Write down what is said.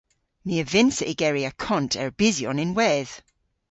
My a vynnsa ygeri akont erbysyon ynwedh.